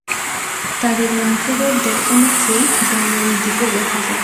তাদের বংশধরদের অনেককেই রমরী দ্বীপে দেখা যায়।